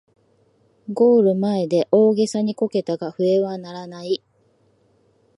ゴール前で大げさにこけたが笛は鳴らない